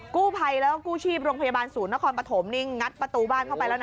กู้ภัยแล้วก็กู้ชีพโรงพยาบาลศูนย์นครปฐมนี่งัดประตูบ้านเข้าไปแล้วนะ